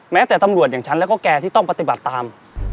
แต่ตำรวจอย่างฉันแล้วก็แกที่ต้องปฏิบัติตาม